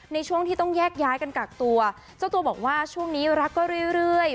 ในช่วงที่ต้องแยกย้ายกันกักตัวเจ้าตัวบอกว่าช่วงนี้รักก็เรื่อย